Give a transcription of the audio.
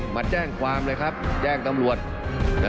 มาแจ้งความเลยครับแจ้งตำรวจ